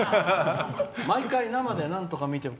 「毎回、生でなんとか見ています」。